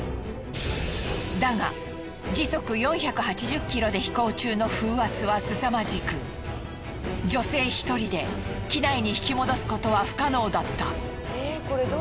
だが時速４８０ｋｍで飛行中の風圧はすさまじく女性一人で機内に引き戻すことは不可能だった。